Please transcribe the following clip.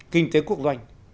kinh tế quốc doanh